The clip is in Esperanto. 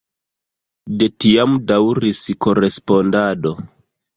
De tiam daŭris korespondado.